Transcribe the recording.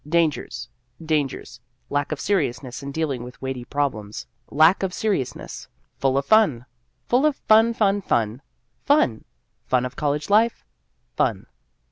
Dangers. Dangers. Lack of seriousness in dealing with weighty problems. Lack of serious ness. Full of fun. Full of fun, fun, fun. Fun. Fun of College Life. Fun.